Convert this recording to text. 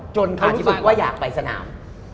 รู้สึกว่าอยากไปสนาม